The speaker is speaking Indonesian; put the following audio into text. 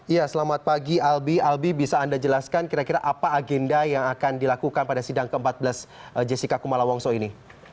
ya selamat pagi albi albi bisa anda jelaskan kira kira apa agenda yang akan dilakukan pada sidang ke empat belas jessica kumala wongso ini